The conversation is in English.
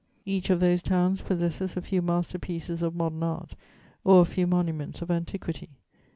Each of those towns possesses a few master pieces of modern art or a few monuments of antiquity.